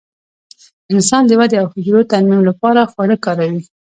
انسان د ودې او حجرو ترمیم لپاره خواړه کاروي.